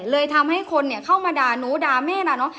เลยทำให้คนเข้ามาด่าหนูด่าแม่ด่าน้อง